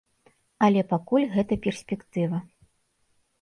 Але пакуль гэта перспектыва.